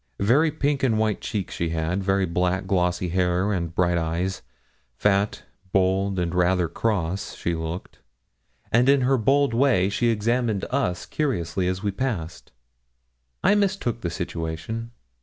Very pink and white cheeks she had, very black glossy hair and bright eyes fat, bold, and rather cross, she looked and in her bold way she examined us curiously as we passed. I mistook the situation.